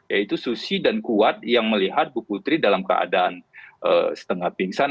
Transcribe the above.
yaitu susi dan kuat yang melihat bu putri dalam keadaan setengah pingsan